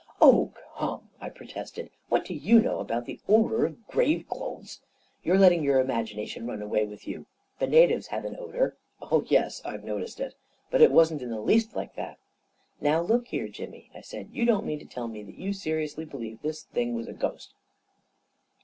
" Oh, come !" I protested. " What do you know about the odor of grave clothes? You're letting your imagination run away with you. The natives have an odor ..."" Yes; I've noticed it. But it wasn't in the least like that!" 41 Now, look here, Jimmy," I said, " you don't mean to tell me that you seriously believe this thing was a ghost?